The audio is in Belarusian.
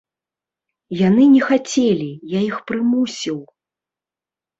Яны не хацелі, я іх прымусіў!